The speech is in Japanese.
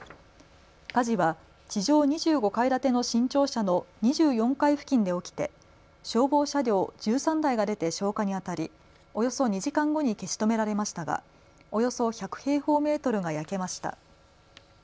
火事は地上２５階建ての新庁舎の２４階付近で起きて消防車両１３台が出て消火にあたりおよそ２時間後に消し止められましたがおよそ１００平方メートルが焼けました。